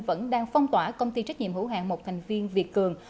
vẫn đang phong tỏa công ty trách nhiệm hữu hạng một thành viên việt cường